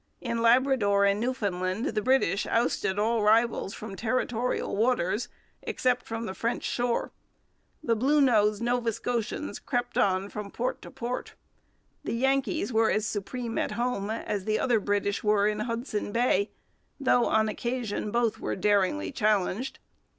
In Labrador and Newfoundland the British ousted all rivals from territorial waters, except from the French Shore. The 'Bluenose' Nova Scotians crept on from port to port. The Yankees were as supreme at home as the other British were in Hudson Bay, though on occasion both were daringly challenged.